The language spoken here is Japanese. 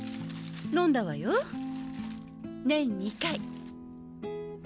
飲んだわよ年２回。